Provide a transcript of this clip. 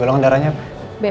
golongan darahnya apa